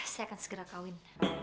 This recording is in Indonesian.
saya akan segera kawin